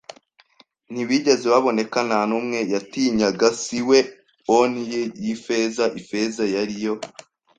ntibigeze baboneka. Nta n'umwe yatinyaga, si we; on'y Ifeza - Ifeza yariyo